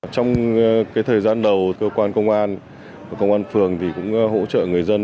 trong thời gian đầu cơ quan công an công an phường cũng hỗ trợ người dân